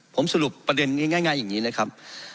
ผมสรุปประเด็นง่ายอย่างนี้เลยครับ